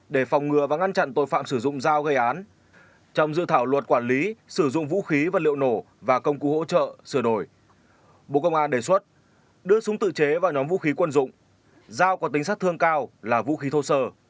để phòng ngừa và ngăn chặn tội phạm sử dụng dao gây án trong dự thảo luật quản lý sử dụng vũ khí vật liệu nổ và công cụ hỗ trợ sửa đổi bộ công an đề xuất đưa súng tự chế vào nhóm vũ khí quân dụng dao có tính sát thương cao là vũ khí thô sơ